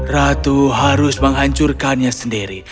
ratu harus menghancurkannya sendiri